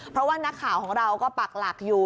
เพราะว่านักข่าวของเราก็ปักหลักอยู่